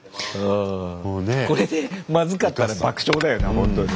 これでまずかったら爆笑だよな本当に。